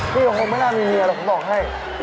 พี่โอ้โฮไม่น่าจะมีเมียหรอกผมบอกไว้